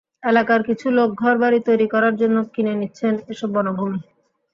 এলাকার কিছু লোক ঘরবাড়ি তৈরি করার জন্য কিনে নিচ্ছেন এসব বনভূমি।